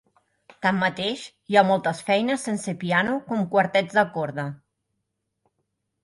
Tanmateix, hi ha moltes feines sense piano, com quartets de corda.